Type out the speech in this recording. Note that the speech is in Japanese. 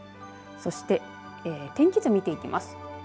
そして、天気図、見ていきます。